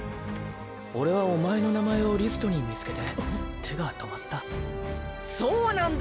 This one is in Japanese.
オレはおまえの名前をリストに見つけて手が止まったそうなんですよ